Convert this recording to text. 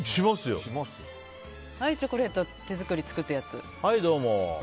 はい、チョコレート手作り、作ったやつ。